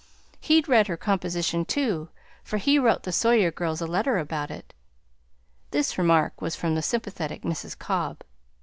He'd read her composition, too, for he wrote the Sawyer girls a letter about it." This remark was from the sympathetic Mrs. Cobb.